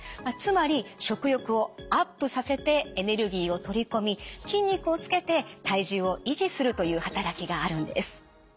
つまり食欲をアップさせてエネルギーを取り込み筋肉をつけて体重を維持するという働きがあるんです。